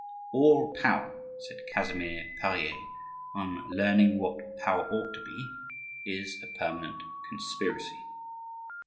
"All power," said Casimir Perier, on learning what power ought to be, "is a permanent conspiracy."